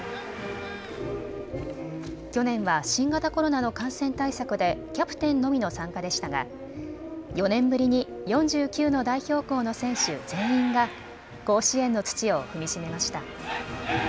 去年は新型コロナの感染対策でキャプテンのみの参加でしたが４年ぶりに４９の代表校の選手全員が甲子園の土を踏みしめました。